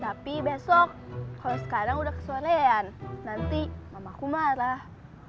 tapi besok kalau sekarang udah kesolean nanti mamaku marah